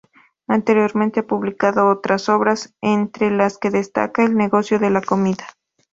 Anteriormente ha publicado otras obras, entre las que destaca "El negocio de la comida.